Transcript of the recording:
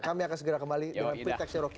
kami akan segera kembali dengan pretextnya proki